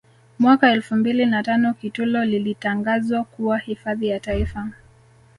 Mwaka elfu mbili na tano Kitulo likatangazwa kuwa hifadhi ya Taifa